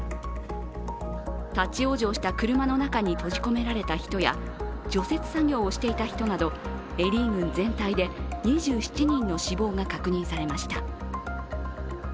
立往生した車の中に閉じ込められた人や除雪作業をしていた人などエリー郡全体で２７人の死亡が確認されました。